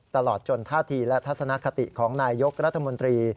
ตลอดจนท่าทีและทัศนคติของนายยกรัฐมนตรี